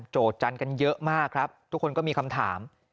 จันทร์กันเยอะมากครับทุกคนก็มีคำถาม